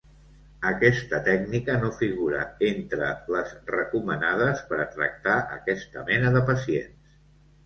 Aquesta tècnica no figura entre les recomanades per a tractar aquesta mena de pacients.